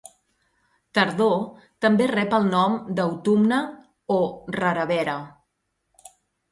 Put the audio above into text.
Tardor també rep el nom d'autumne o rerevera.